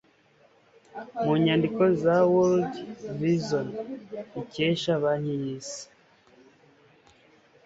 mu nyandiko za world vison ikesha banki y' isi